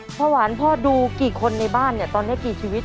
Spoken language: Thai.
พ่อหวานพ่อดูกี่คนในบ้านตอนนี้กี่ชีวิต